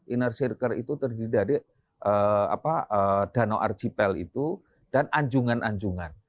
inner circle itu terdiri dari danau archipel itu dan anjungan anjungan